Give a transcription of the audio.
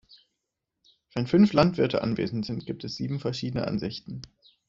Wenn fünf Landwirte anwesend sind, gibt es sieben verschiedene Ansichten.